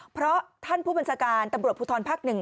เพราะท่านผู้บัญษการตำรวจผู้ทรภักดิ์หนึ่ง